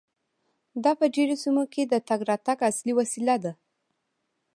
دا په ډیرو سیمو کې د تګ راتګ اصلي وسیله ده